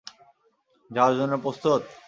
যাওয়ার জন্য প্রস্তুত?